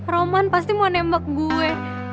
roman pasti mau nembak gue